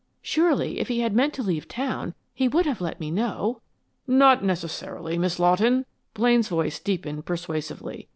Surely, if he had meant to leave town he would have let me know!" "Not necessarily, Miss Lawton." Blaine's voice deepened persuasively.